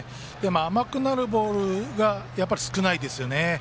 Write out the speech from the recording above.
甘くなるボールが少ないですよね。